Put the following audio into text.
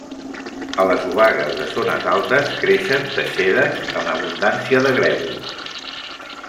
A les obagues de zones altes creixen teixedes amb abundància de grèvol.